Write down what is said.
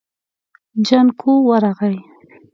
جانکو ورغی.